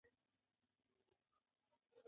راځئ هره ورځ نیم ساعت پښتو ته ځانګړی کړو.